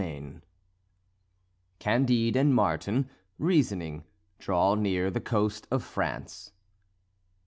XXI CANDIDE AND MARTIN, REASONING, DRAW NEAR THE COAST OF FRANCE.